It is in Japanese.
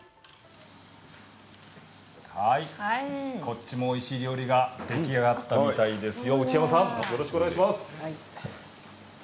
こちらも、おいしい料理が出来上がったみたいですよ。